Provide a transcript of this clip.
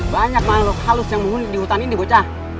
banyak makhluk halus yang menghuni di hutan ini bocah